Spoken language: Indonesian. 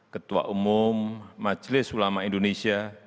ketua umum majelis ulama indonesia